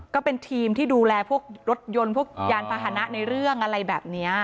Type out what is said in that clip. ก็เป็นทีมที่ดูแลพวกรถยนต์พวกยานพาหนะในเรื่องอะไรแบบนี้